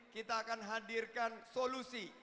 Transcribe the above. kita akan hadirkan solusi